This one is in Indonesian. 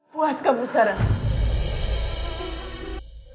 puas kamu sekarang